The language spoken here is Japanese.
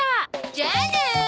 じゃあね。